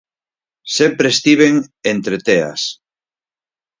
Sempre estiven entre teas.